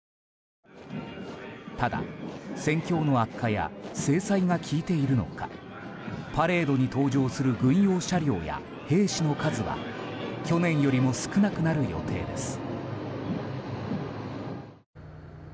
ただ、戦況の悪化や制裁が効いているのかパレードに登場する軍用車両や兵士の数は去年よりも少なくなる予定です。